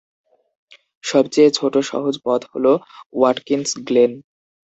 সবচেয়ে ছোট, সহজ পথ হল ওয়াটকিন্স গ্লেন।